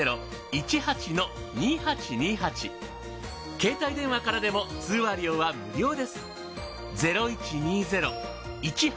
携帯電話からでも通話料は無料です。